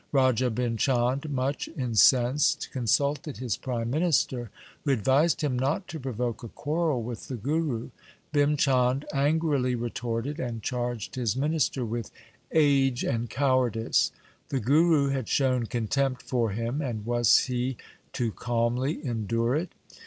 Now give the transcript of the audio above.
Raja Bhim Chand, much incensed, con sulted his prime minister, who advised him not to provoke a quarrel with the Guru. Bhim Chand angrily retorted, and charged his minister with age and cowardice. The Guru had shown contempt for him, and was he to calmly endure it